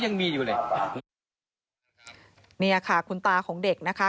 นี่ค่ะคุณตาของเด็กนะคะ